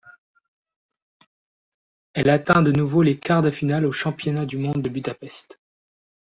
Elle atteint de nouveau les quarts de finale aux championnats du monde de Budapest.